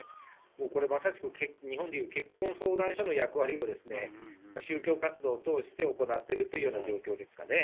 もうこれまさしく日本でいう結婚相談所の役割を、宗教活動を通して行ってるというような状況ですかね。